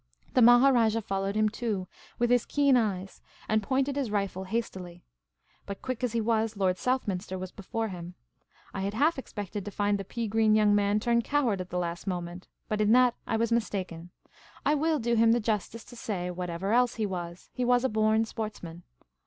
The Maharajah followed him too, with his keen eyes, and pointed his rifle hastily. But, quick as he was. Lord Southminster was before him. I had half expected to find the pea green young man turn coward at the last moment ; but in that I was mistaken : I will do him the justice to say, whatever else he was, he was a born sportsman.